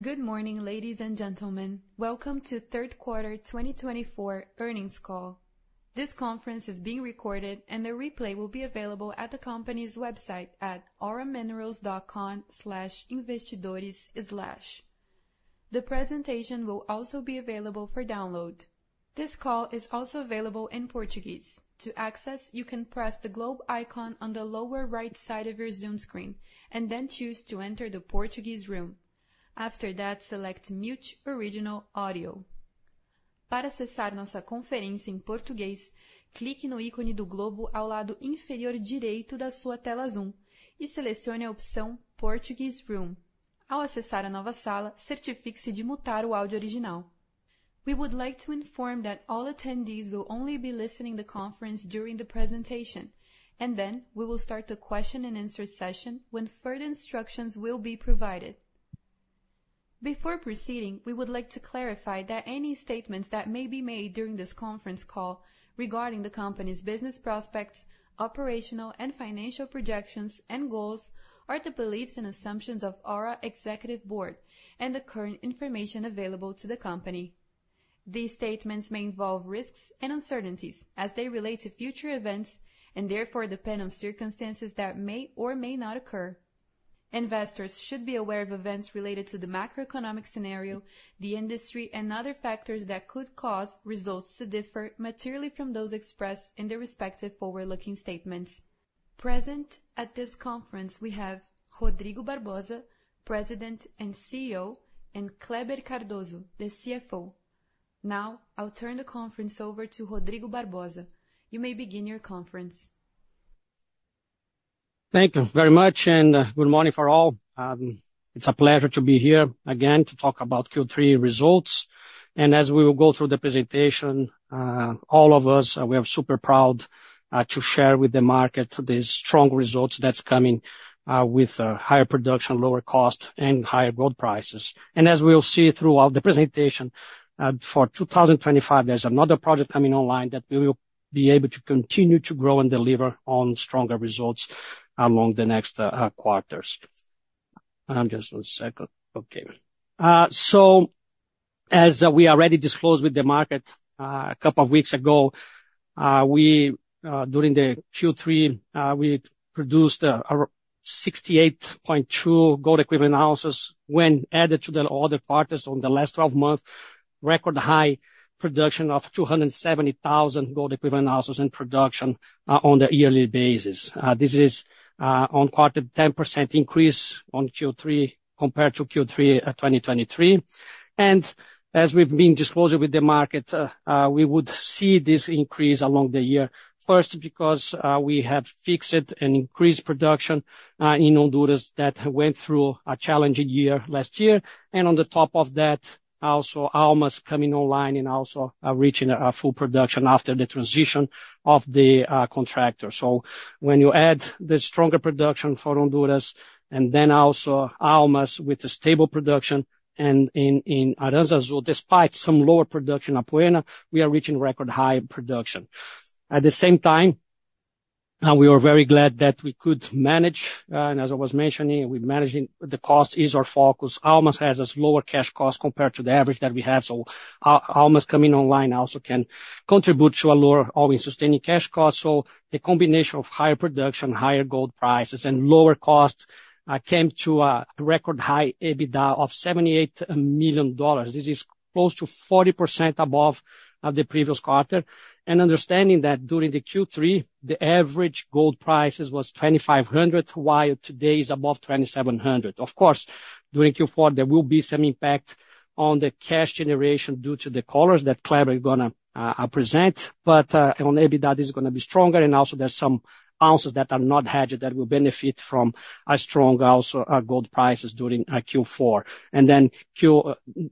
Good morning, ladies and gentlemen. Welcome to Third Quarter 2024 earnings call. This conference is being recorded, and the replay will be available at the company's website at aura-minerals.com/investidores/. The presentation will also be available for download. This call is also available in Portuguese. To access, you can press the globe icon on the lower right side of your Zoom screen, and then choose to enter the Portuguese Room. After that, select "Mute Original Audio". Para acessar nossa conferência em português, clique no ícone do globo ao lado inferior direito da sua tela Zoom e selecione a opção "Portuguese Room". Ao acessar a nova sala, certifique-se de mutar o áudio original. We would like to inform that all attendees will only be listening to the conference during the presentation, and then we will start the question-and-answer session when further instructions will be provided. Before proceeding, we would like to clarify that any statements that may be made during this conference call regarding the company's business prospects, operational and financial projections, and goals are the beliefs and assumptions of Aura Executive Board and the current information available to the company. These statements may involve risks and uncertainties, as they relate to future events and therefore depend on circumstances that may or may not occur. Investors should be aware of events related to the macroeconomic scenario, the industry, and other factors that could cause results to differ materially from those expressed in their respective forward-looking statements. Present at this conference, we have Rodrigo Barbosa, President and CEO, and Kleber Cardoso, the CFO. Now, I'll turn the conference over to Rodrigo Barbosa. You may begin your conference. Thank you very much, and good morning for all. It's a pleasure to be here again to talk about Q3 results. And as we will go through the presentation, all of us, we are super proud to share with the market the strong results that are coming with higher production, lower cost, and higher gold prices. And as we will see throughout the presentation, for 2025, there's another project coming online that we will be able to continue to grow and deliver on stronger results along the next quarters. Just one second. Okay. So, as we already disclosed with the market a couple of weeks ago, during Q3, we produced 68.2 gold equivalent ounces when added to the other quarters on the last 12 months, record high production of 270,000 gold equivalent ounces in production on the yearly basis. This is an unreported 10% increase on Q3 compared to Q3 2023, and as we've been disclosing with the market, we would see this increase along the year, first because we have fixed and increased production in Honduras that went through a challenging year last year, and on the top of that, also Almas coming online and also reaching full production after the transition of the contractor, so when you add the stronger production for Honduras and then also Almas with a stable production and in Aranzazu, despite some lower production in Apoena, we are reaching record high production. At the same time, we are very glad that we could manage, and as I was mentioning, we managing the cost is our focus. Almas has a lower cash cost compared to the average that we have, so Almas coming online also can contribute to a lower sustaining cash cost. The combination of higher production, higher gold prices, and lower cost came to a record high EBITDA of $78 million. This is close to 40% above the previous quarter. Understanding that during Q3, the average gold prices was $2,500, while today is above $2,700. Of course, during Q4, there will be some impact on the cash generation due to the collars that Kleber is going to present, but on EBITDA, this is going to be stronger. Also there are some ounces that are not hedged that will benefit from stronger gold prices during Q4.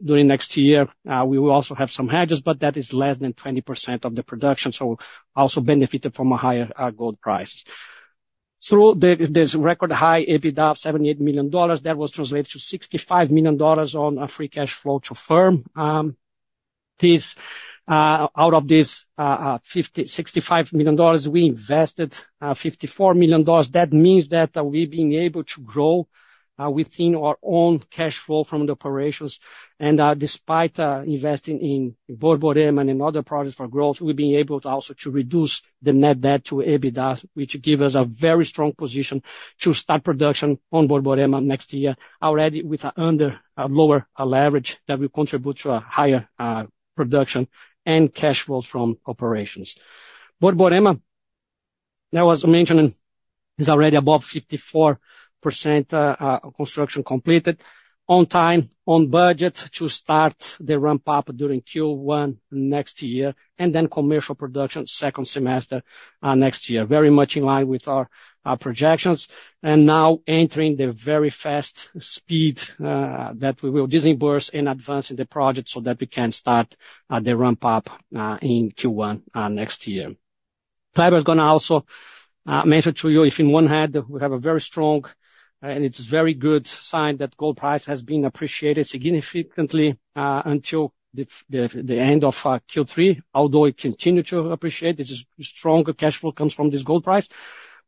During next year, we will also have some hedges, but that is less than 20% of the production. Also benefited from a higher gold price. Through this record high EBITDA of $78 million, that was translated to $65 million on free cash flow to firm. Out of this $65 million, we invested $54 million. That means that we've been able to grow within our own cash flow from the operations. And despite investing in Borborema and other projects for growth, we've been able to also reduce the net debt to EBITDA, which gives us a very strong position to start production on Borborema next year already with a lower leverage that will contribute to a higher production and cash flows from operations. Borborema, as I was mentioning, is already above 54% construction completed on time, on budget to start the ramp-up during Q1 next year, and then commercial production second semester next year. Very much in line with our projections. And now entering the very fast speed that we will disburse in advance in the project so that we can start the ramp-up in Q1 next year. Kleber is going to also mention to you on one hand we have a very strong and it's a very good sign that gold price has been appreciated significantly until the end of Q3, although it continued to appreciate. This strong cash flow comes from this gold price.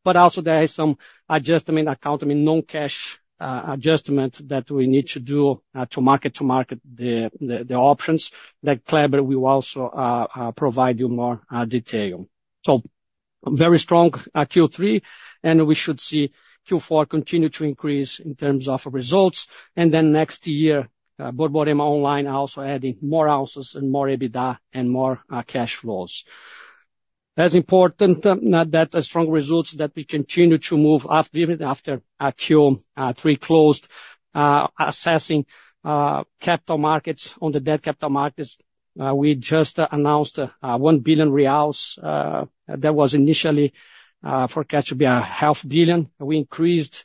But also there is some accounting non-cash adjustment that we need to do to mark-to-market the options that Kleber will also provide you more detail. So very strong Q3, and we should see Q4 continue to increase in terms of results. And then next year, Borborema online also adding more ounces and more EBITDA and more cash flows. That's important that strong results that we continue to move after Q3 closed. Assessing capital markets on the debt capital markets, we just announced 1 billion reais that was initially forecast to be 0.5 billion. We increased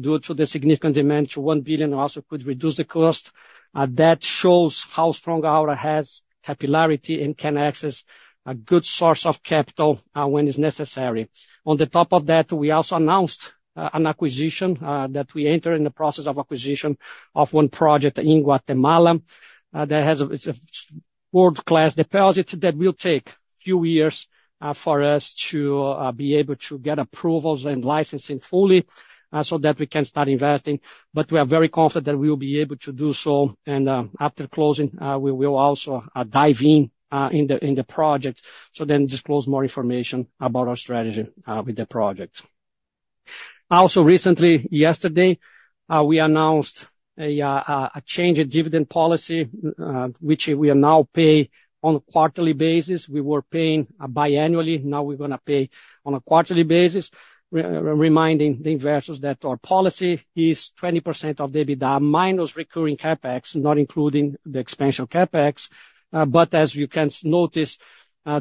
due to the significant demand to one billion. We also could reduce the cost. That shows how strong Aura has capillarity and can access a good source of capital when it's necessary. On the top of that, we also announced an acquisition that we entered in the process of acquisition of one project in Guatemala. That has a world-class deposit that will take a few years for us to be able to get approvals and licensing fully so that we can start investing. But we are very confident that we will be able to do so. And after closing, we will also dive in in the project to then disclose more information about our strategy with the project. Also recently, yesterday, we announced a change in dividend policy, which we now pay on a quarterly basis. We were paying biannually. Now we're going to pay on a quarterly basis, reminding the investors that our policy is 20% of EBITDA minus recurring CapEx, not including the expansion CapEx. But as you can notice,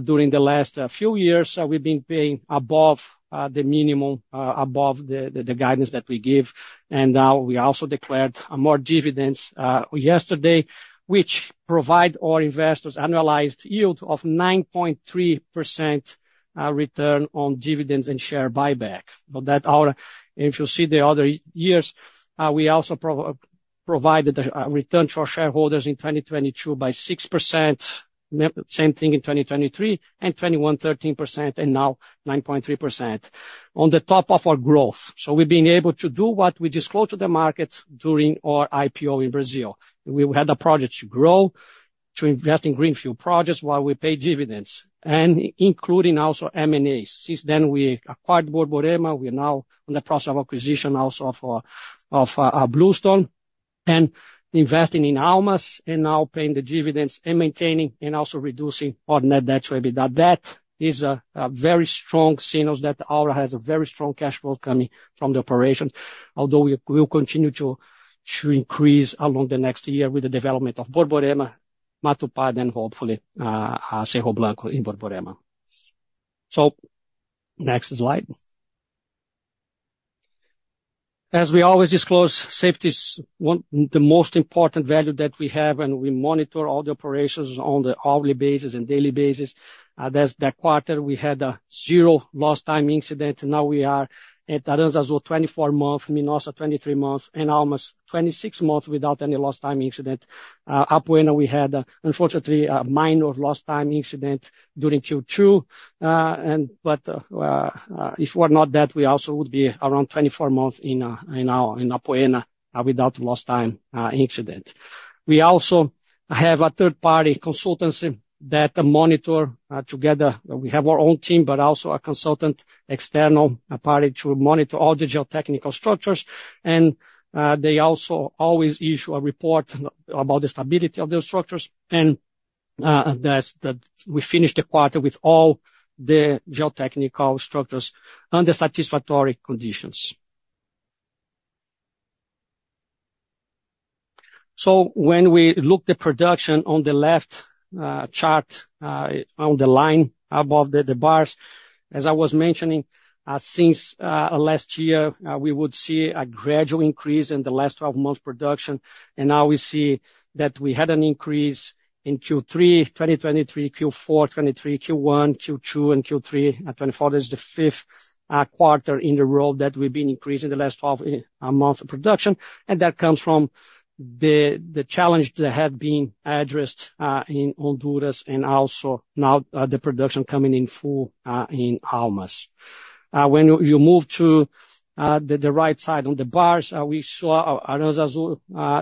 during the last few years, we've been paying above the minimum, above the guidance that we give. And now we also declared more dividends yesterday, which provide our investors annualized yield of 9.3% return on dividends and share buyback. So that Aura, if you see the other years, we also provided a return to our shareholders in 2022 by 6%, same thing in 2023, and 2021, 13%, and now 9.3%. On the top of our growth. So we've been able to do what we disclosed to the market during our IPO in Brazil. We had a project to grow, to invest in greenfield projects while we pay dividends, including also M&As. Since then, we acquired Borborema. We are now in the process of acquisition also of Bluestone and investing in Almas and now paying the dividends and maintaining and also reducing our Net Debt to EBITDA. That is a very strong signal that Aura has a very strong cash flow coming from the operations, although we will continue to increase along the next year with the development of Borborema, Matupá, and hopefully Cerro Blanco and Borborema. So next slide. As we always disclose, safety is the most important value that we have, and we monitor all the operations on the hourly basis and daily basis. That quarter, we had a zero Lost Time Incident. Now we are at Aranzazu 24 months, Minosa 23 months, and Almas 26 months without any Lost Time Incident. Apoena, we had, unfortunately, a minor Lost Time Incident during Q2. But if it were not that, we also would be around 24 months in Apoena without lost time incident. We also have a third-party consultancy that monitor together. We have our own team, but also a consultant external party to monitor all the geotechnical structures. And they also always issue a report about the stability of the structures. And we finished the quarter with all the geotechnical structures under satisfactory conditions. So when we look at the production on the left chart, on the line above the bars, as I was mentioning, since last year, we would see a gradual increase in the last 12 months' production. And now we see that we had an increase in Q3 2023, Q4 2023, Q1, Q2, and Q3 2024. This is the fifth quarter in a row that we've been increasing the last 12 months' production. And that comes from the challenge that had been addressed in Honduras and also now the production coming in full in Almas. When you move to the right side on the bars, we saw Aranzazu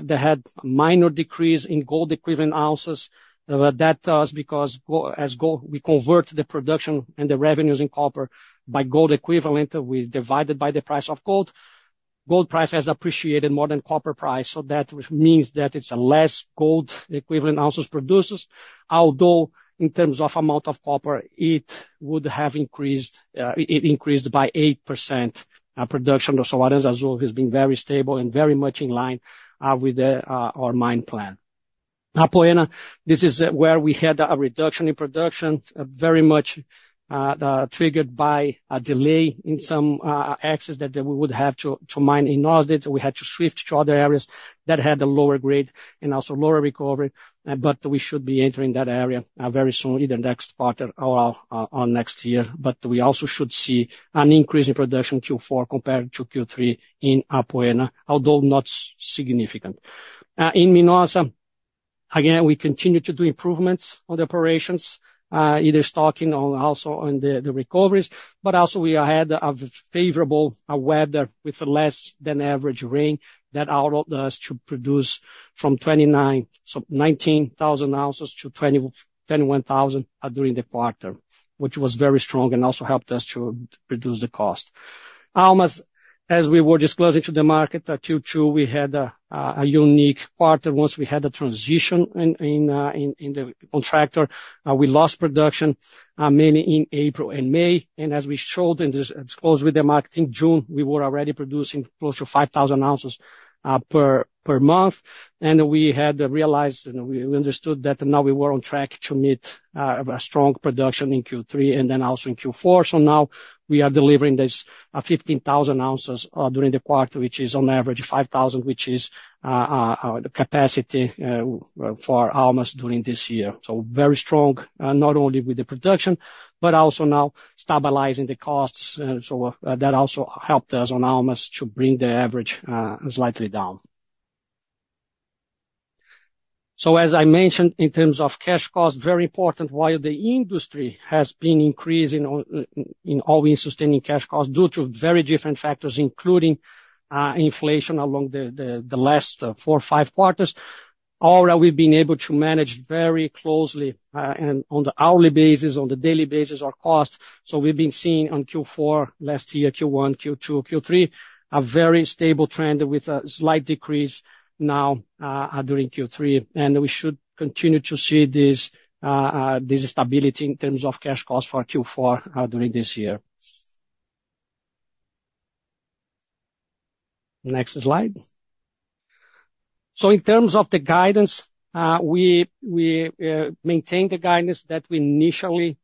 that had a minor decrease in gold equivalent ounces. That tells us because as we convert the production and the revenues in copper by gold equivalent, we divide it by the price of gold. Gold price has appreciated more than copper price. So that means that it's less gold equivalent ounces produced. Although in terms of amount of copper, it would have increased by 8%. Production of Aranzazu has been very stable and very much in line with our mine plan. Apoena, this is where we had a reduction in production, very much triggered by a delay in some access that we would have to mine in Nosde. We had to shift to other areas that had a lower grade and also lower recovery. But we should be entering that area very soon, either next quarter or next year. But we also should see an increase in production Q4 compared to Q3 in Apoena, although not significant. In MINOSA, again, we continue to do improvements on the operations, either stocking or also on the recoveries. But also we had a favorable weather with less than average rain that allowed us to produce from 19,000 ounces to 21,000 during the quarter, which was very strong and also helped us to reduce the cost. Almas, as we were disclosing to the market Q2, we had a unique quarter. Once we had a transition in the contractor, we lost production mainly in April and May. As we showed and disclosed with the market in June, we were already producing close to 5,000 ounces per month. We had realized and we understood that now we were on track to meet a strong production in Q3 and then also in Q4. Now we are delivering this 15,000 ounces during the quarter, which is on average 5,000, which is the capacity for Almas during this year. Very strong, not only with the production, but also now stabilizing the costs. That also helped us on Almas to bring the average slightly down. As I mentioned, in terms of cash cost, very important while the industry has been increasing in all-in sustaining cash cost due to very different factors, including inflation along the last four or five quarters. Aura, we've been able to manage very closely on the hourly basis, on the daily basis, our cost. So we've been seeing on Q4 last year, Q1, Q2, Q3, a very stable trend with a slight decrease now during Q3. And we should continue to see this stability in terms of cash cost for Q4 during this year. Next slide. So in terms of the guidance, we maintain the guidance that we initially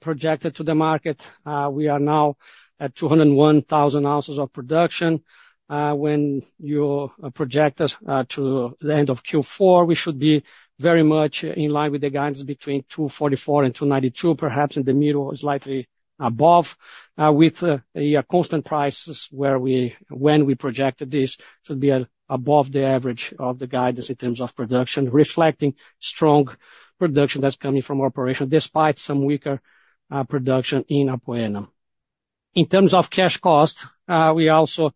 projected to the market. We are now at 201,000 ounces of production. When you project us to the end of Q4, we should be very much in line with the guidance between 244 and 292, perhaps in the middle or slightly above, with a constant price where when we projected this should be above the average of the guidance in terms of production, reflecting strong production that's coming from operation despite some weaker production in Apoena. In terms of cash cost, we also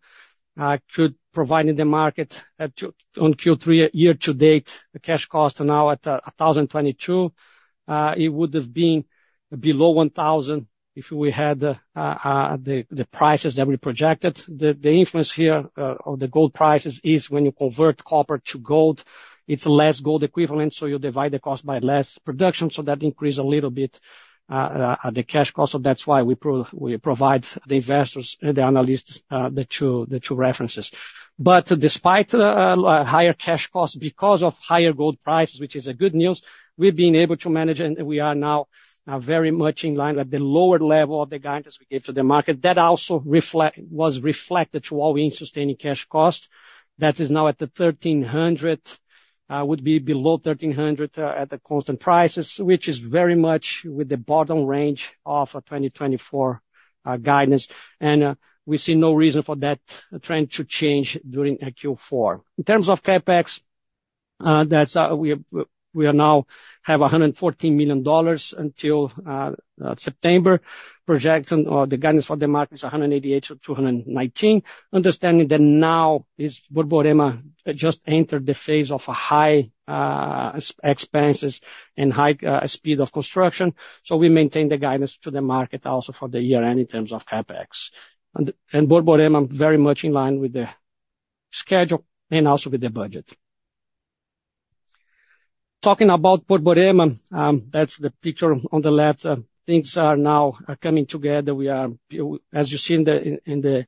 could provide in the market on Q3 year to date the cash cost now at $1,022. It would have been below $1,000 if we had the prices that we projected. The influence here of the gold prices is when you convert copper to gold, it's less gold equivalent. So you divide the cost by less production so that increase a little bit at the cash cost. So that's why we provide the investors and the analysts the two references. But despite higher cash cost because of higher gold prices, which is good news, we've been able to manage and we are now very much in line at the lower level of the guidance we gave to the market. That also was reflected to all-in sustaining cash cost. That is now at the $1,300, would be below $1,300 at the constant prices, which is very much with the bottom range of 2024 guidance. And we see no reason for that trend to change during Q4. In terms of CapEx, we now have $114 million until September. Projection or the guidance for the market is $188-$219 million, understanding that now Borborema just entered the phase of high expenses and high speed of construction. So we maintain the guidance to the market also for the year end in terms of CapEx. And Borborema very much in line with the schedule and also with the budget. Talking about Borborema, that's the picture on the left. Things are now coming together. As you see in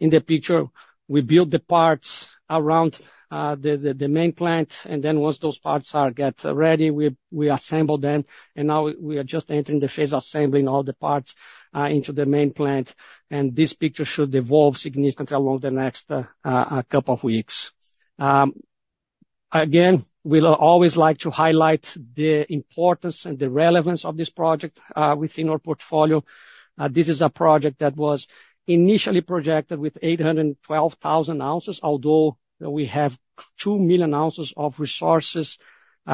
the picture, we build the parts around the main plant. And then once those parts get ready, we assemble them. Now we are just entering the phase of assembling all the parts into the main plant. This picture should evolve significantly along the next couple of weeks. Again, we always like to highlight the importance and the relevance of this project within our portfolio. This is a project that was initially projected with 812,000 ounces, although we have 2 million ounces of resources.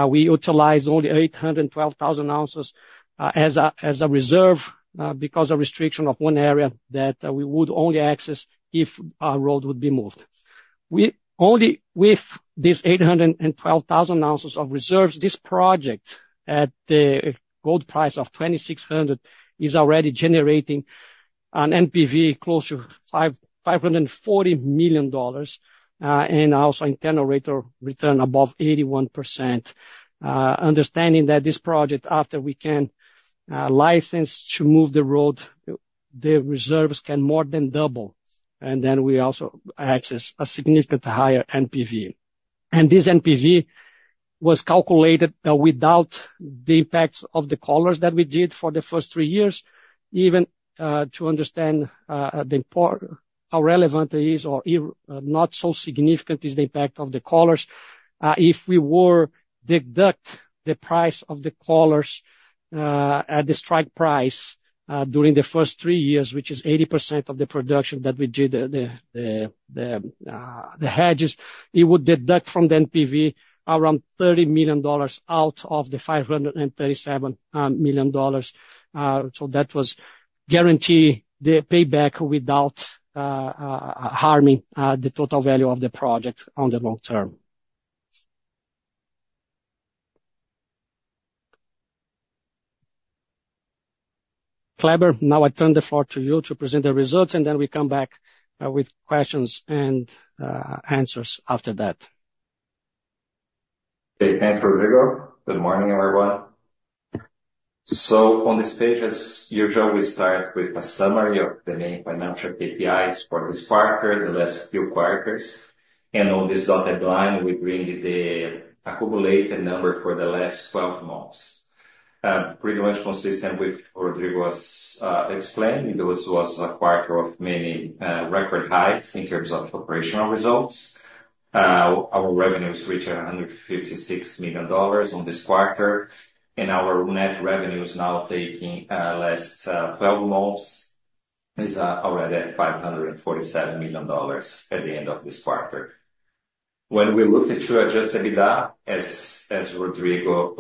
We utilize only 812,000 ounces as a reserve because of restriction of one area that we would only access if our road would be moved. With this 812,000 ounces of reserves, this project at the gold price of $2,600 is already generating an NPV close to $540 million and also internal rate of return above 81%. Understanding that this project, after we can license to move the road, the reserves can more than double. Then we also access a significantly higher NPV. This NPV was calculated without the impacts of the collars that we did for the first three years, even to understand how relevant it is or not so significant is the impact of the collars. If we were to deduct the price of the collars at the strike price during the first three years, which is 80% of the production that we did the hedges, it would deduct from the NPV around $30 million out of the $537 million. So that was guarantee the payback without harming the total value of the project on the long term. Kleber, now I turn the floor to you to present the results, and then we come back with questions and answers after that. Okay. Thanks, Rodrigo. Good morning, everyone. So on this page, as usual, we start with a summary of the main financial KPIs for this quarter, the last few quarters. On this dotted line, we bring the accumulated number for the last 12 months, pretty much consistent with Rodrigo's explanation. This was a quarter of many record highs in terms of operational results. Our revenues reached $156 million in this quarter. Our net revenues now taking last 12 months is already at $547 million at the end of this quarter. When we looked at our Adjusted EBITDA, as Rodrigo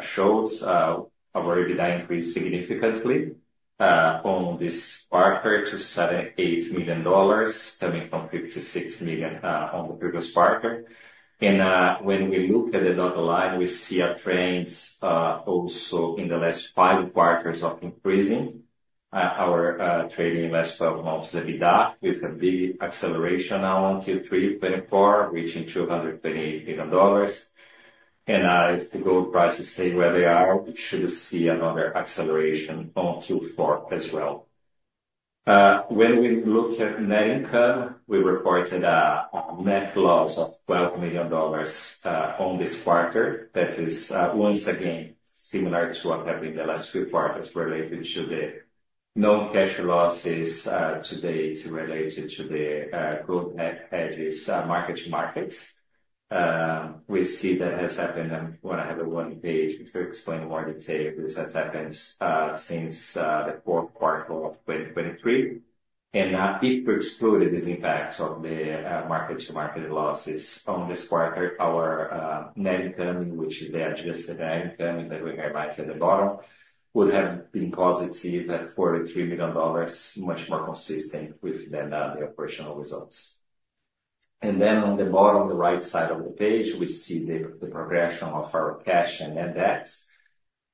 showed, our EBITDA increased significantly in this quarter to $78 million coming from $56 million in the previous quarter. When we look at the dotted line, we see a trend also in the last five quarters of increasing our trailing last 12 months EBITDA with a big acceleration now in Q3 2024, reaching $228 million. If the gold prices stay where they are, we should see another acceleration in Q4 2024 as well. When we look at net income, we reported a net loss of $12 million on this quarter. That is once again similar to what happened in the last few quarters related to the non-cash losses to date related to the gold hedges mark-to-market. We see that has happened when I have a one-page to explain more detail. This has happened since the fourth quarter of 2023. And if we exclude these impacts of the mark-to-market losses on this quarter, our net income, which is the adjusted net income that we have right at the bottom, would have been positive at $43 million, much more consistent with the operational results. And then on the bottom, the right side of the page, we see the progression of our cash and net debt.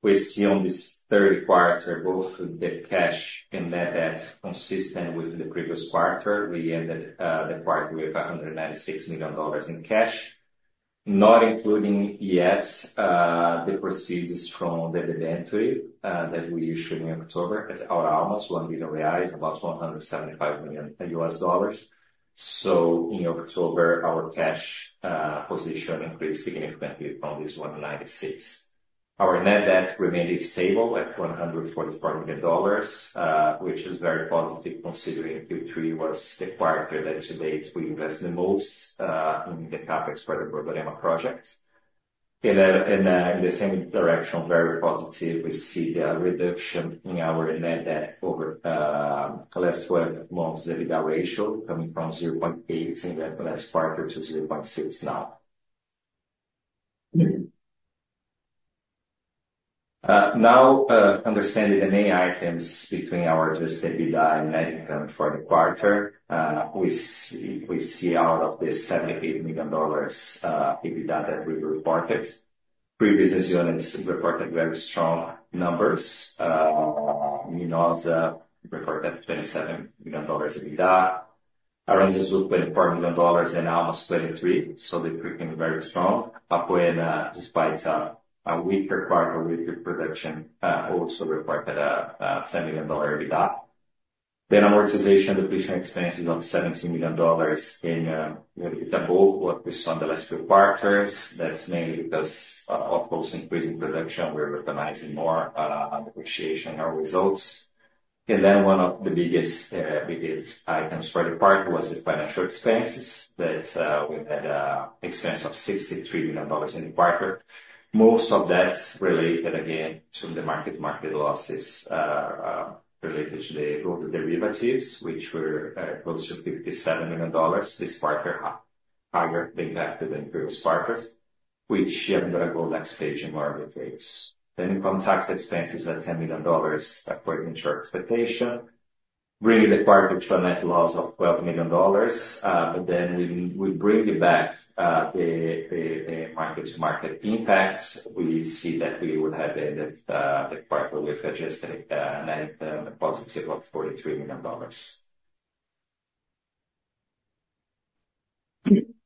We see on this third quarter both the cash and net debt consistent with the previous quarter. We ended the quarter with $196 million in cash, not including yet the proceeds from the debenture that we issued in October at our Almas, 1 billion reais, about $175 million. In October, our cash position increased significantly from this 196. Our net debt remained stable at $144 million, which is very positive considering Q3 was the quarter that to date we invest the most in the CapEx for the Borborema project, and in the same direction, very positive, we see the reduction in our net debt over the last 12 months EBITDA ratio coming from 0.8 in the last quarter to 0.6 now. Now, understanding the main items between our Adjusted EBITDA and net income for the quarter, we see out of this $78 million EBITDA that we reported. Previous units reported very strong numbers. Minosa reported $27 million EBITDA. Aranzazu $24 million and Almas $23 million, so they're performing very strong. Apoena, despite a weaker quarter, weaker production, also reported a $10 million EBITDA, then our ongoing depletion expenses of $17 million in EBITDA above what we saw in the last few quarters. That's mainly because of the increasing production, we're recognizing more depreciation in our results, and then one of the biggest items for the quarter was the financial expenses that we had, an expense of $63 million in the quarter. Most of that related again to the mark-to-market losses related to the gold derivatives, which were close to $57 million this quarter, higher than the previous quarters, which we had to go next stage in more of the trades, then income tax expenses at $10 million according to our expectation, bringing the quarter to a net loss of $12 million. But then we bring back the mark-to-market impacts. We see that we would have ended the quarter with adjusted net income positive of $43 million.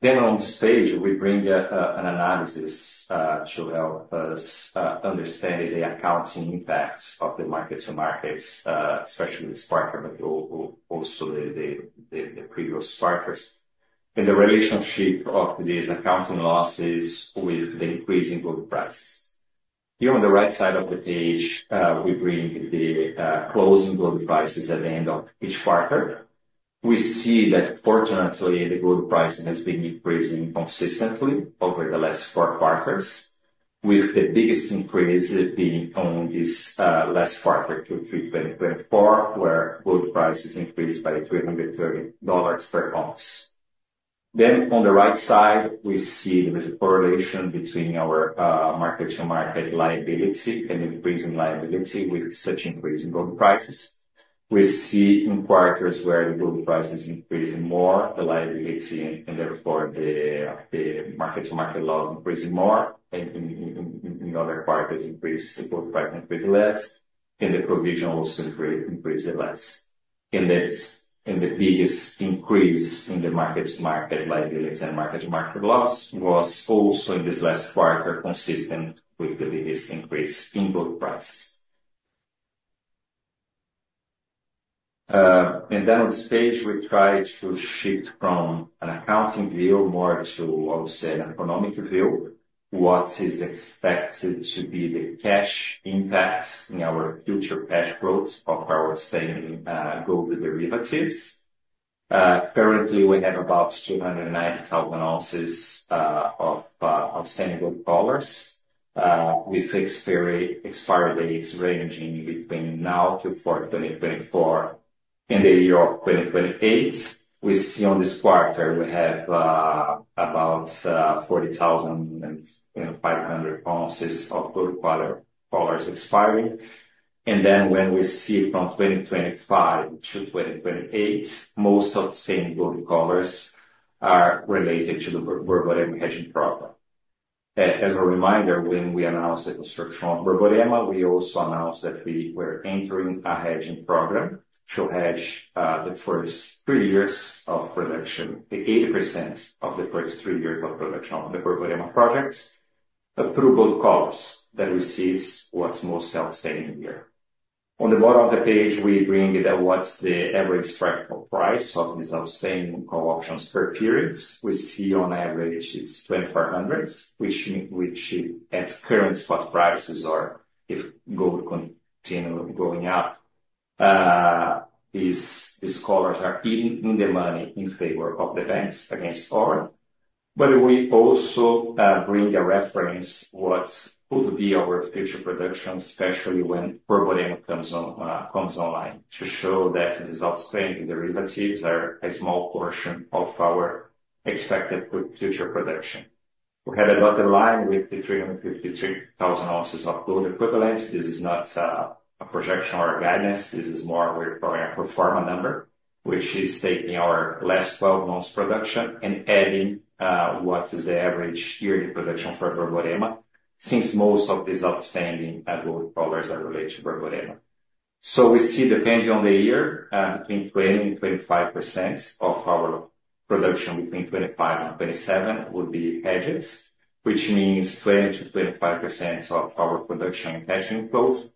Then on this page, we bring an analysis to help us understand the accounting impacts of the mark-to-markets, especially the collar, but also the previous collars, and the relationship of these accounting losses with the increasing gold prices. Here on the right side of the page, we bring the closing gold prices at the end of each quarter. We see that fortunately, the gold price has been increasing consistently over the last four quarters, with the biggest increase being on this last quarter, Q3 2024, where gold prices increased by $330 per ounce. Then on the right side, we see there is a correlation between our mark-to-market liability and increasing liability with such increasing gold prices. We see in quarters where the gold price is increasing more, the liability and therefore the mark-to-market loss increasing more, and in other quarters, increasing gold price increased less, and the provision also increased less, and the biggest increase in the mark-to-market liability and mark-to-market loss was also in this last quarter consistent with the biggest increase in gold prices, and then on this page, we try to shift from an accounting view more to, I would say, an economic view, what is expected to be the cash impacts in our future cash flows of our standing gold derivatives. Currently, we have about 290,000 ounces of standing gold collars with expiry dates ranging between now to 4/2024 and the year of 2028. We see in this quarter, we have about 40,500 ounces of gold collars expiring. Then when we see from 2025 to 2028, most of the remaining gold collars are related to the Borborema hedging program. As a reminder, when we announced the construction of Borborema, we also announced that we were entering a hedging program to hedge 80% of the first three years of production of the Borborema project, through gold collars that receives what's most outstanding here. On the bottom of the page, we bring in what's the average strike price of these outstanding call options per periods. We see on average it's $2,500, which at current spot prices or if gold continues going up, these collars are in the money in favor of the banks against Aura. But we also bring a reference what would be our future production, especially when Borborema comes online, to show that these outstanding derivatives are a small portion of our expected future production. We have a dotted line with the 353,000 ounces of gold equivalent. This is not a projection or a guidance. This is more we're calling a pro forma number, which is taking our last 12 months production and adding what is the average yearly production for Borborema, since most of these outstanding gold collars are related to Borborema. So we see depending on the year, between 20% and 25% of our production between 2025 and 2027 would be hedges, which means 20%-25% of our production and hedging flows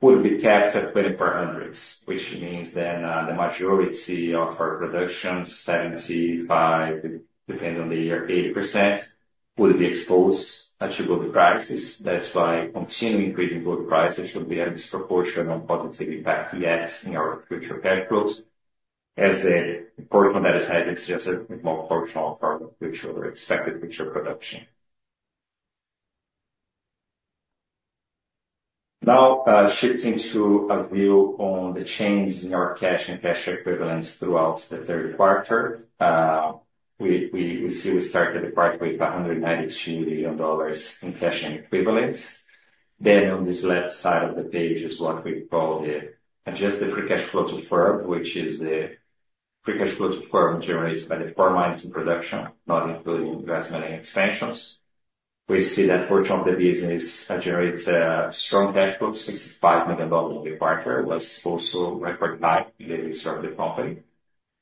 would be capped at $2,400, which means then the majority of our production, 75%-80%, would be exposed to gold prices. That's why continuing increasing gold prices should be a disproportionate positive impact on our future cash flows, as the important thing is that hedges is just a small portion of our future expected production. Now, shifting to a view on the changes in our cash and cash equivalents throughout the third quarter, we see we started the quarter with $192 million in cash and equivalents. Then on this left side of the page is what we call the adjusted free cash flow to firm, which is the free cash flow to firm generated by the four mines in production, not including investments and expansions. We see that portion of the business generates a strong cash flow, $65 million in the quarter, was also record high in the history of the company,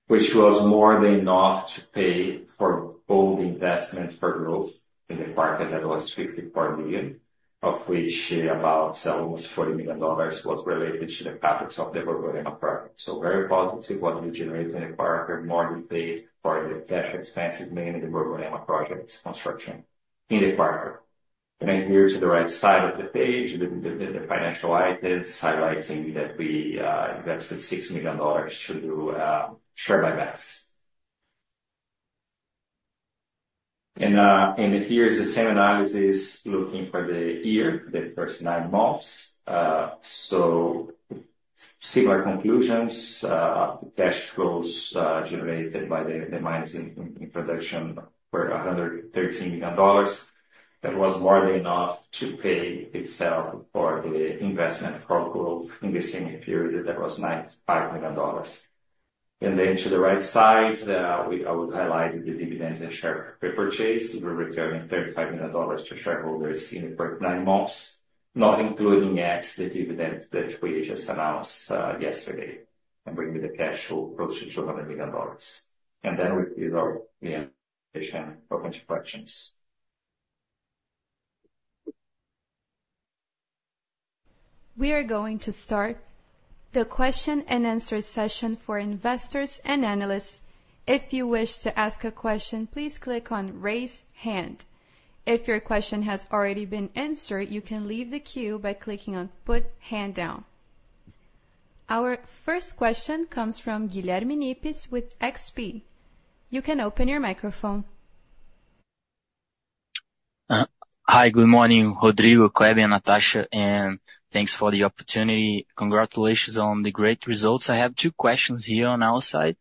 which was more than enough to pay for all the investment for growth in the quarter that was $54 million, of which about almost $40 million was related to the CapEx of the Borborema project, so very positive what we generated in the quarter, more than paid for the cash expenses mainly in the Borborema project construction in the quarter, and then here to the right side of the page, the financial items highlighting that we invested $6 million to do share buybacks, and here is the same analysis looking for the year, the first nine months, so similar conclusions, the cash flows generated by the mines in production were $113 million. That was more than enough to pay itself for the investment for growth in the same period that was $95 million. And then to the right side, I would highlight the dividends and share repurchase. We're returning $35 million to shareholders in the first nine months, not including yet the dividends that we just announced yesterday and bringing the cash flow close to $200 million. And then we do our reaction for questions. We are going to start the question and answer session for investors and analysts. If you wish to ask a question, please click on raise hand. If your question has already been answered, you can leave the queue by clicking on put hand down. Our first question comes from Guilherme Nippes with XP. You can open your microphone. Hi, good morning, Rodrigo, Kleber, Natasha, and thanks for the opportunity. Congratulations on the great results. I have two questions here on our side.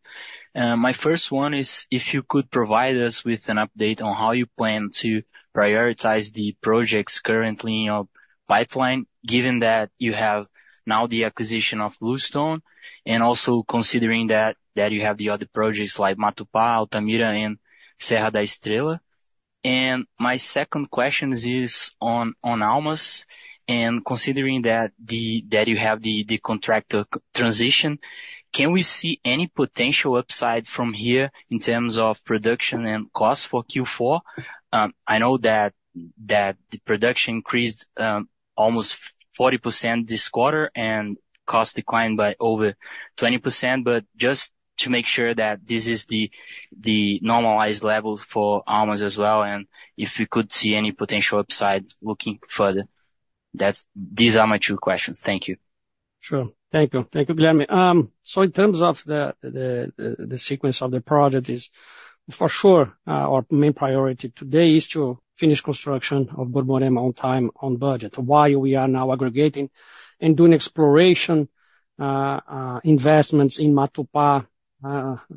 My first one is if you could provide us with an update on how you plan to prioritize the projects currently in your pipeline, given that you have now the acquisition of Bluestone and also considering that you have the other projects like Matupá, Altamira, and Serra da Estrela. And my second question is on Almas, and considering that you have the contractor transition, can we see any potential upside from here in terms of production and cost for Q4? I know that the production increased almost 40% this quarter and cost declined by over 20%, but just to make sure that this is the normalized level for Almas as well, and if we could see any potential upside looking further. These are my two questions. Thank you. Sure. Thank you. Thank you, Guilherme. In terms of the sequence of the project, it is for sure our main priority today to finish construction of Borborema on time on budget, while we are now aggregating and doing exploration investments in Matupá,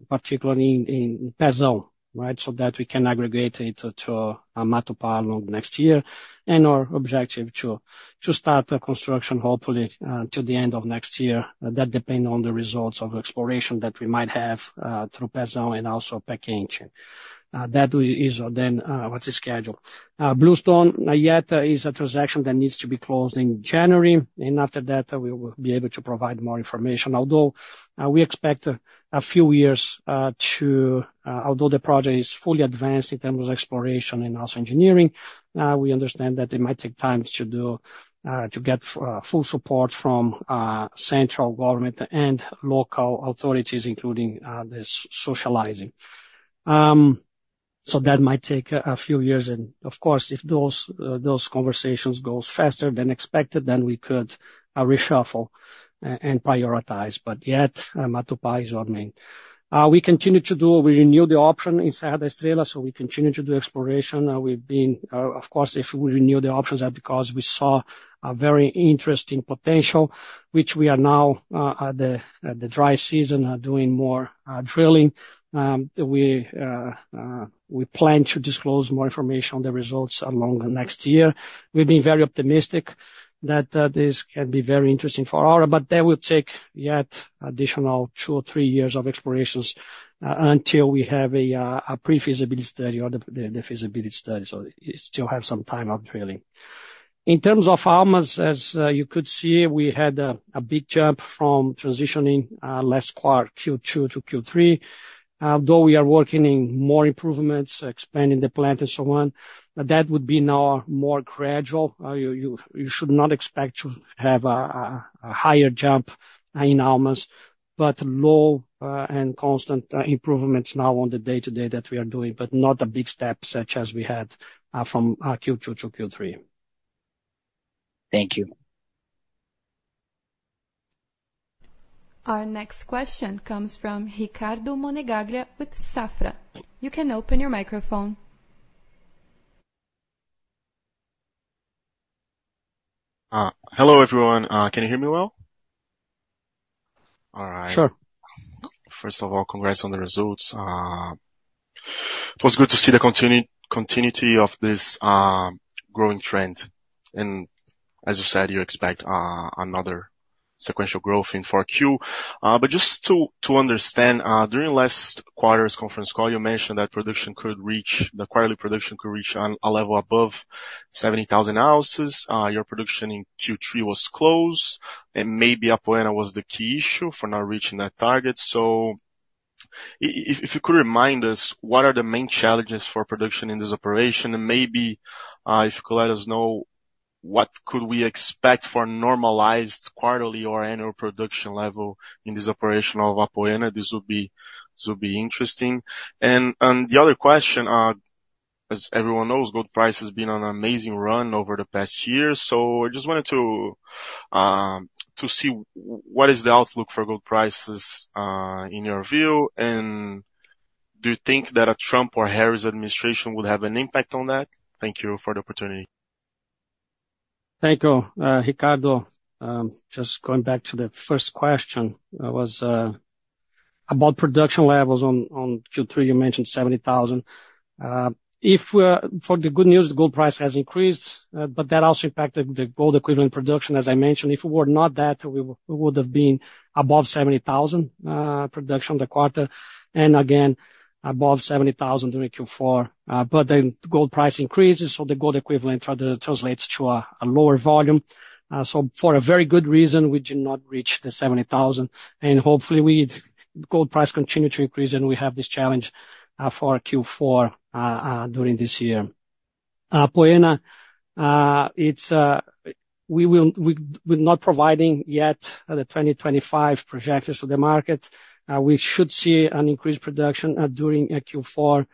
particularly in Pezão, right, so that we can aggregate it to Matupá along next year. Our objective is to start construction hopefully to the end of next year. That depends on the results of exploration that we might have through Pezão and also Pé Quente. That is then what is scheduled. Bluestone yet is a transaction that needs to be closed in January, and after that, we will be able to provide more information. Although the project is fully advanced in terms of exploration and also engineering, we understand that it might take time to get full support from central government and local authorities, including this socializing. So that might take a few years. Of course, if those conversations go faster than expected, then we could reshuffle and prioritize. But yet, Matupá is our main. We renew the option in Serra da Estrela, so we continue to do exploration. Of course, if we renew the options, that's because we saw a very interesting potential, which we are now at the dry season doing more drilling. We plan to disclose more information on the results along the next year. We've been very optimistic that this can be very interesting for our, but that will take yet additional two or three years of explorations until we have a pre-feasibility study or the feasibility study. So we still have some time of drilling. In terms of Almas, as you could see, we had a big jump from transitioning last quarter Q2 to Q3. Although we are working in more improvements, expanding the plant and so on, that would be now more gradual. You should not expect to have a higher jump in Almas, but low and constant improvements now on the day-to-day that we are doing, but not a big step such as we had from Q2 to Q3. Thank you. Our next question comes from Ricardo Monegaglia with Safra. You can open your microphone. Hello everyone. Can you hear me well? All right. Sure. First of all, congrats on the results. It was good to see the continuity of this growing trend, and as you said, you expect another sequential growth in Q4, but just to understand, during last quarter's conference call, you mentioned that the quarterly production could reach a level above 70,000 ounces. Your production in Q3 was close, and maybe Apoena was the key issue for not reaching that target, so if you could remind us, what are the main challenges for production in this operation? And maybe if you could let us know what could we expect for normalized quarterly or annual production level in this operation of Apoena, this would be interesting, and the other question, as everyone knows, gold price has been on an amazing run over the past year. I just wanted to see what the outlook for gold prices is in your view? And do you think that a Trump or Harris administration would have an impact on that? Thank you for the opportunity. Thank you. Ricardo, just going back to the first question was about production levels on Q3, you mentioned 70,000. For the good news, the gold price has increased, but that also impacted the gold equivalent production. As I mentioned, if it were not that, we would have been above 70,000 production the quarter, and again, above 70,000 during Q4. But then gold price increases, so the gold equivalent translates to a lower volume. So for a very good reason, we did not reach the 70,000. And hopefully, gold price continues to increase and we have this challenge for Q4 during this year. Apoena, we will not be providing yet the 2025 projections to the market. We should see an increased production during Q4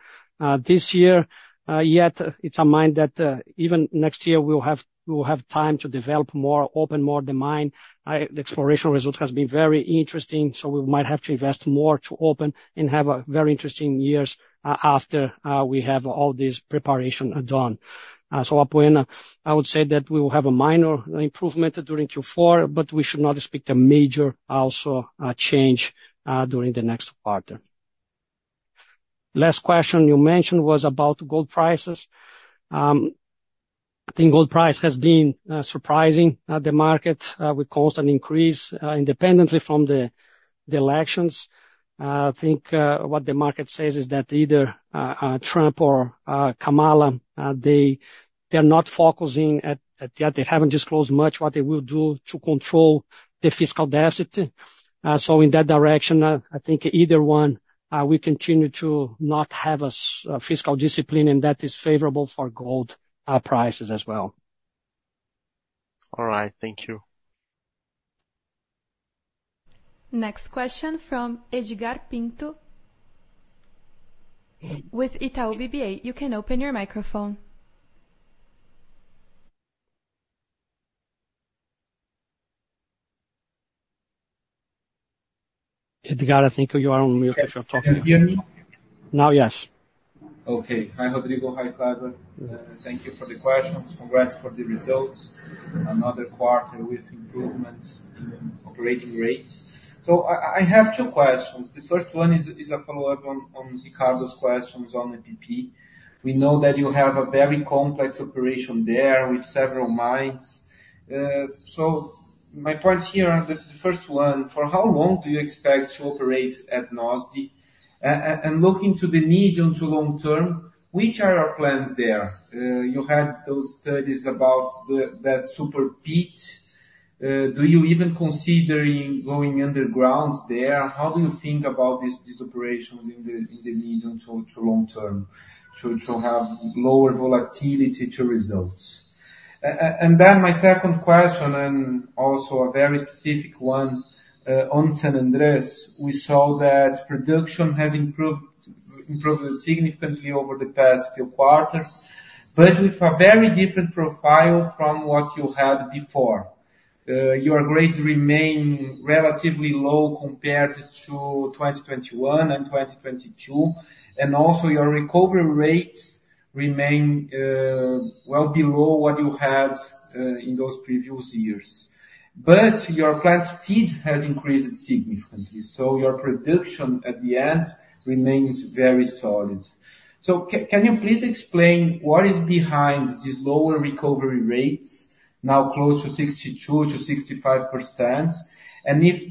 this year. Yet, it's a mine that even next year we'll have time to develop more, open more the mine. The exploration results have been very interesting, so we might have to invest more to open and have a very interesting years after we have all this preparation done. So Apoena, I would say that we will have a minor improvement during Q4, but we should not expect a major also change during the next quarter. Last question you mentioned was about gold prices. I think gold price has been surprising the market with constant increase independently from the elections. I think what the market says is that either Trump or Kamala, they are not focusing at yet. They haven't disclosed much what they will do to control the fiscal deficit. So in that direction, I think either one will continue to not have a fiscal discipline, and that is favorable for gold prices as well. All right. Thank you. Next question from Edgard Pinto with Itaú BBA. You can open your microphone. Edgar, I think you are on mute if you're talking. Can you hear me? Now, yes. Okay. Hi, Rodrigo. Hi, Kleber. Thank you for the questions. Congrats for the results. Another quarter with improvements in operating rates. So I have two questions. The first one is a follow-up on Ricardo's questions on the EPP. We know that you have a very complex operation there with several mines. So my points here are the first one. For how long do you expect to operate at Nosde? Looking to the medium to long term, which are our plans there? You had those studies about that super pit. Do you even consider going underground there? How do you think about these operations in the medium to long term to have lower volatility to results? Then my second question, and also a very specific one, on San Andrés, we saw that production has improved significantly over the past few quarters, but with a very different profile from what you had before. Your grades remain relatively low compared to 2021 and 2022, and also your recovery rates remain well below what you had in those previous years. But your plant feed has increased significantly, so your production at the end remains very solid. So can you please explain what is behind these lower recovery rates, now close to 62%-65%? And if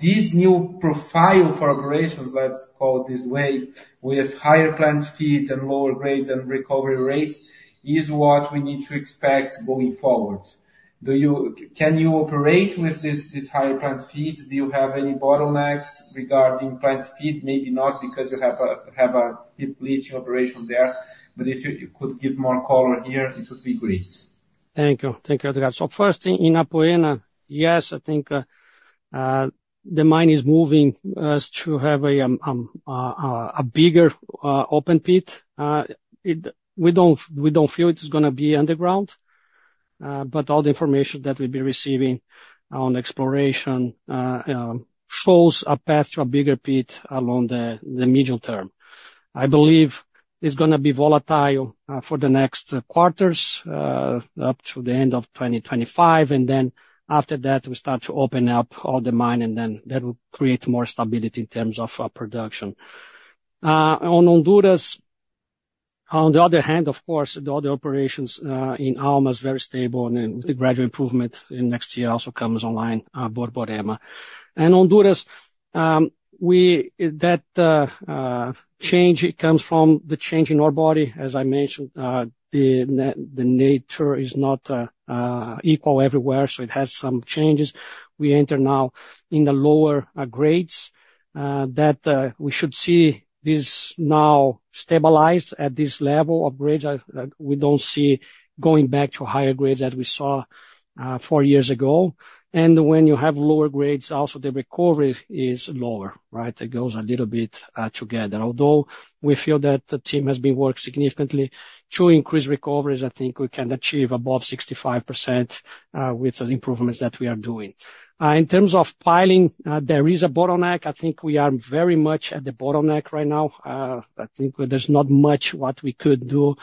this new profile for operations, let's call it this way, with higher plant feeds and lower grades and recovery rates, is what we need to expect going forward? Can you operate with these higher plant feeds? Do you have any bottlenecks regarding plant feed? Maybe not because you have a leaching operation there, but if you could give more color here, it would be great. Thank you. Thank you, Edgar. So first, in Apoena, yes, I think the mine is moving to have a bigger open pit. We don't feel it's going to be underground, but all the information that we've been receiving on exploration shows a path to a bigger open pit along the medium term. I believe it's going to be volatile for the next quarters up to the end of 2025, and then after that, we start to open up all the mine, and then that will create more stability in terms of production. On Honduras, on the other hand, of course, the other operations in Almas are very stable, and with the gradual improvement in next year also comes online for Borborema, and Honduras, that change comes from the change in our ore body. As I mentioned, the nature is not equal everywhere, so it has some changes. We enter now in the lower grades. We should see this now stabilize at this level of grades. We don't see going back to higher grades as we saw four years ago, and when you have lower grades, also the recovery is lower, right? It goes a little bit together. Although we feel that the team has been working significantly to increase recoveries, I think we can achieve above 65% with the improvements that we are doing. In terms of piling, there is a bottleneck. I think we are very much at the bottleneck right now. I think there's not much what we could do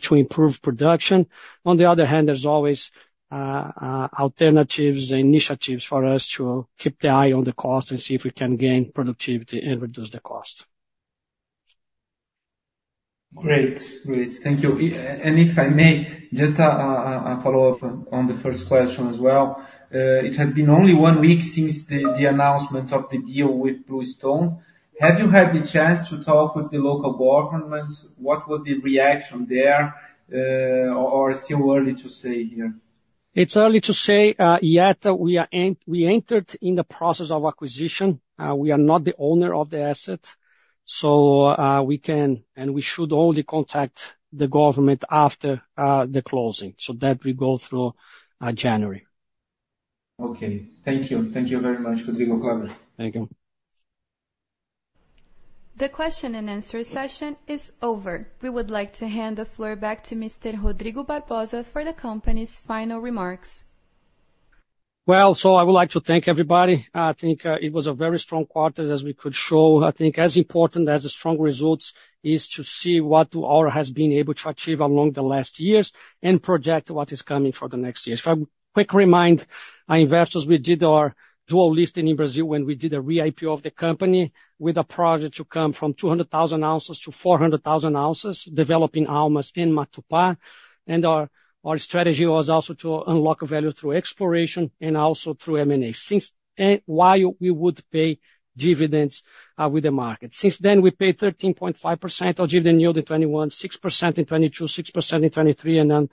to improve production. On the other hand, there's always alternatives and initiatives for us to keep an eye on the cost and see if we can gain productivity and reduce the cost. Great. Great. Thank you. And if I may, just a follow-up on the first question as well. It has been only one week since the announcement of the deal with Bluestone. Have you had the chance to talk with the local government? What was the reaction there? Or is it still early to say here? It's early to say yet. We entered in the process of acquisition. We are not the owner of the asset, so we can and we should only contact the government after the closing so that we go through January. Okay. Thank you. Thank you very much, Rodrigo, Kleber. Thank you. The question and answer session is over. We would like to hand the floor back to Mr. Rodrigo Barbosa for the company's final remarks. Well, so I would like to thank everybody. I think it was a very strong quarter, as we could show. I think as important as the strong results is to see what Aura has been able to achieve over the last years and project what is coming for the next year. A quick reminder, investors: we did our dual listing in Brazil when we did a re-IPO of the company with a project to come from 200,000 ounces to 400,000 ounces, developing Almas and Matupá. Our strategy was also to unlock value through exploration and also through M&A while we would pay dividends with the market. Since then, we paid 13.5% dividend yield in 2021, 6% in 2022, 6% in 2023, and then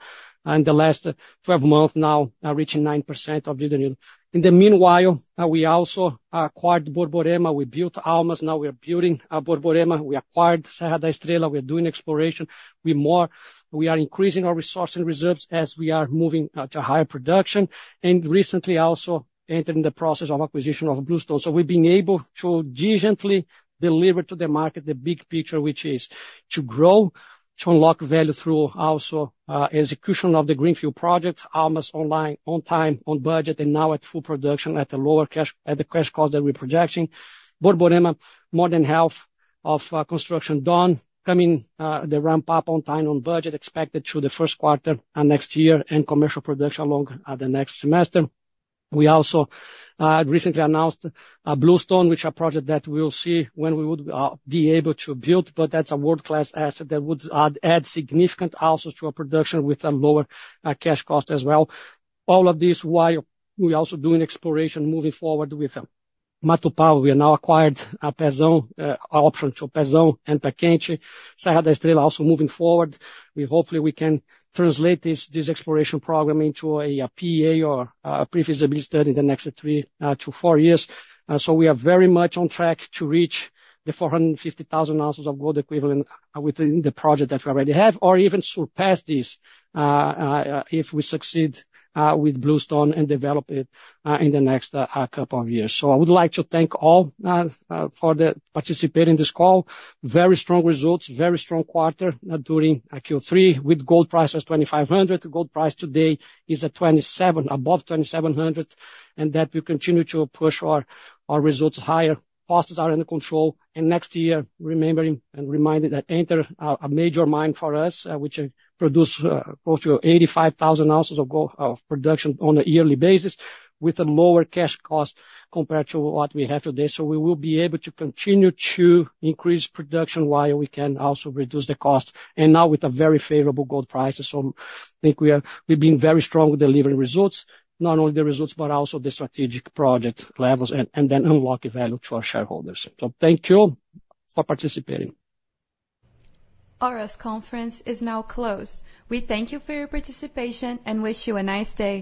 in the last 12 months now, reaching 9% dividend yield. In the meanwhile, we also acquired Borborema. We built Almas. Now we are building Borborema. We acquired Serra da Estrela. We're doing exploration. We are increasing our resources and reserves as we are moving to higher production. Recently, we also entered in the process of acquisition of Bluestone. So we've been able to decently deliver to the market the big picture, which is to grow, to unlock value through also execution of the greenfield project, Almas online, on time, on budget, and now at full production at the lower cash cost that we're projecting. Borborema, more than half of construction done. Coming the ramp-up on time on budget expected through the first quarter next year and commercial production along the next semester. We also recently announced Bluestone, which is a project that we will see when we would be able to build, but that's a world-class asset that would add significant ounces to our production with a lower cash cost as well. All of this while we are also doing exploration moving forward with Matupá. We are now acquired Pezão, option to Pezão and Pé Quente. Serra da Estrela also moving forward. Hopefully, we can translate this exploration program into a PEA or pre-feasibility study in the next three to four years. So we are very much on track to reach the 450,000 ounces of gold equivalent within the project that we already have or even surpass this if we succeed with Bluestone and develop it in the next couple of years. So I would like to thank all for participating in this call. Very strong results, very strong quarter during Q3 with gold price at $2,500. Gold price today is at $2,700, above $2,700, and that we continue to push our results higher. Costs are under control, and next year, remembering and reminding that enter a major mine for us, which produces close to 85,000 ounces of production on a yearly basis with a lower cash cost compared to what we have today. So we will be able to continue to increase production while we can also reduce the cost. And now with a very favorable gold price. So I think we've been very strong with delivering results, not only the results, but also the strategic project levels and then unlocking value to our shareholders. So thank you for participating. Our conference is now closed. We thank you for your participation and wish you a nice day.